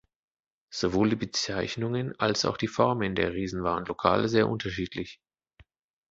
Sowohl die Bezeichnungen als auch die Formen der Riesen waren lokal sehr unterschiedlich.